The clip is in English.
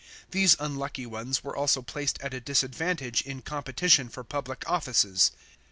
These unlucky ones were also placed at a disadvantage in competition for public offices.